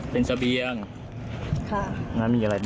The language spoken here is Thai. เป็นสะเบียงเขาก็บริจาคมาให้